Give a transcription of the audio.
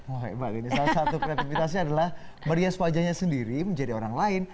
wah ini salah satu kreativitasnya adalah merias wajahnya sendiri menjadi orang lain